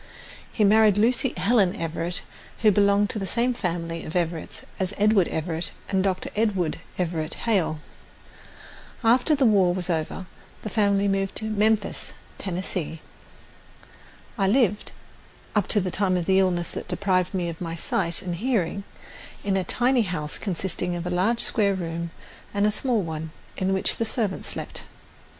He married Lucy Helen Everett, who belonged to the same family of Everetts as Edward Everett and Dr. Edward Everett Hale. After the war was over the family moved to Memphis, Tennessee. I lived, up to the time of the illness that deprived me of my sight and hearing, in a tiny house consisting of a large square room and a small one, in which the servant slept.